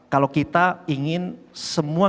kalau kita ingin semua